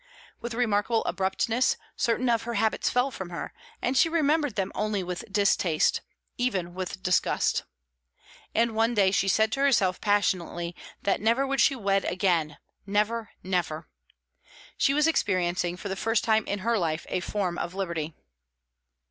With remarkable abruptness, certain of her habits fell from her, and she remembered them only with distaste, even with disgust. And one day she said to herself passionately that never would she wed again never, never! She was experiencing for the first time in her life a form of liberty.